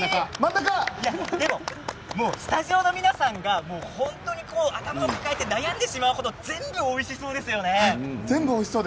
スタジオの皆さんが本当に頭を抱えて悩んでしまう程全部、おいしそうですよね。